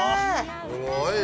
すごいね。